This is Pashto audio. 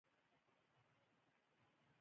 بزګان د افغانستان د اقتصادي منابعو ارزښت زیاتوي.